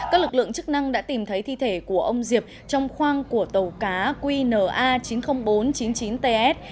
các lực lượng chức năng đã tìm thấy thi thể của ông diệp trong khoang của tàu cá qna chín mươi nghìn bốn trăm chín mươi chín ts